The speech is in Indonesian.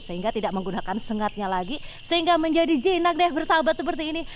sehingga tidak menggunakan sengatnya lagi sehingga menjadi jinak deh bersahabat seperti ini